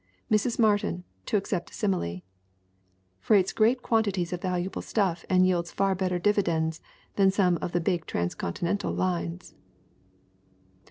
Mrs. Martin, to accept the simile, freights great quantities of valuable stuff and yields far bet ter dividends than some of the big transcontinental lines